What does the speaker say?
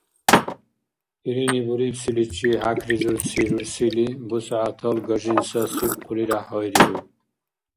Илини бурибсиличи хӀякризурси рурсили бусягӀятал гажин сасиб, хъулиряхӀ гьайриуб.